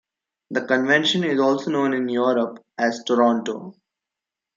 The convention is also known in Europe as "Toronto".